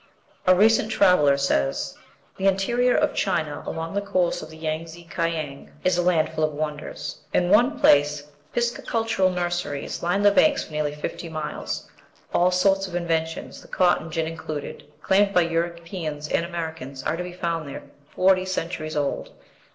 A recent traveller says, "The interior of China, along the course of the Yang tse Kiang, is a land full of wonders. In one place piscicultural nurseries line the banks for nearly fifty miles. All sorts of inventions, the cotton gin included, claimed by Europeans and Americans, are to be found there forty centuries old.